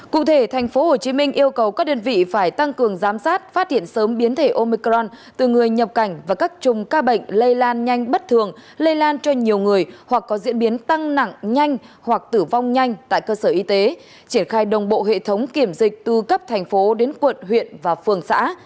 cụ thể tp hcm yêu cầu các đơn vị phải tăng cường giám sát phát hiện sớm biến thể omicron từ người nhập cảnh và các chùm ca bệnh lây lan nhanh bất thường lây lan cho nhiều người hoặc có diễn biến tăng nặng nhanh hoặc tử vong nhanh tại cơ sở y tế triển khai đồng bộ hệ thống kiểm dịch từ cấp thành phố đến quận huyện và phường xã